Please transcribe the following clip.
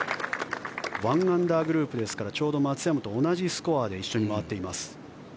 １アンダーグループですからちょうど松山と同じスコアで一緒に回っています。